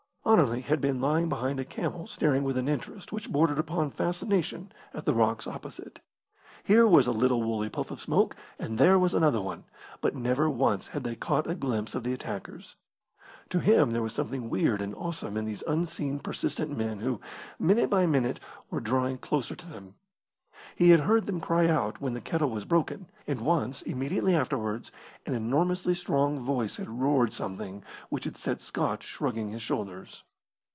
Anerley had been lying behind a camel staring with an interest which bordered upon fascination at the rocks opposite. Here was a little woolly puff of smoke, and there was another one, but never once had they caught a glimpse of the attackers. To him there was something weird and awesome in these unseen, persistent men who, minute by minute, were drawing closer to them. He had heard them cry out when the kettle was broken, and once, immediately afterwards, an enormously strong voice had roared something which had set Scott shrugging his shoulders.